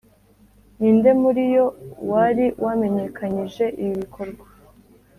ni nde muri yo wari wamenyekanyije ibi bikorwa,